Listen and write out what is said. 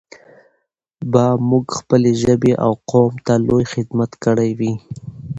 به موږ خپلې ژبې او قوم ته لوى خدمت کړى وي.